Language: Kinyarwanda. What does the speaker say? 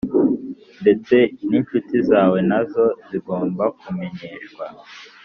Ndetse ninshuti zawe nazo zigomba kumenyeshwa